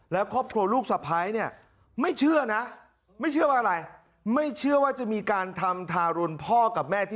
แล้วขอบครัวลูกสะพ้ายไม่เชื่อนะไม่เชื่อว่าจะมีการทำทารุญพ่อกับแม่